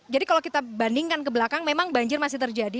jadi kalau kita bandingkan ke belakang memang banjir masih terjadi